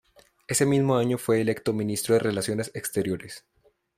Ese mismo año fue electo Ministro de Relaciones Exteriores.